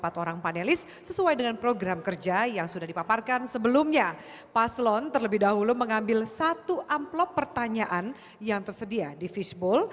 paslon terlebih dahulu mengambil satu amplop pertanyaan yang tersedia di fishbowl